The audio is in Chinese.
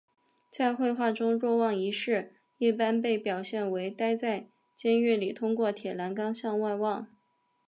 在绘画中若望一世一般被表现为待在监狱里通过铁栏杆向外望。